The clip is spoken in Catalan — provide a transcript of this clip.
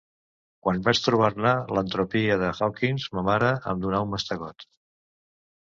Quan vaig trobar-ne l'entropia de Hawkings ma mare em donà un mastegot